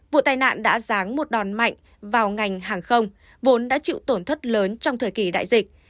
vụ tai nạn đã ráng một đòn mạnh vào ngành hàng không vốn đã chịu tổn thất lớn trong thời kỳ đại dịch